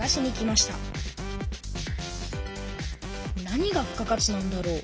何が付加価値なんだろう？